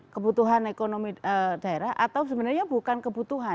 kebutuhan ekonomi daerah atau sebenarnya bukan kebutuhan